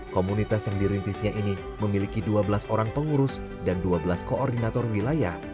komunitas yang dirintisnya ini memiliki dua belas orang pengurus dan dua belas koordinator wilayah